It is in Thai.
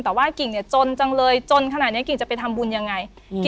แต่ว่ากิ่งเนี่ยจนจังเลยจนขนาดเนี้ยกิ่งจะไปทำบุญยังไงอืม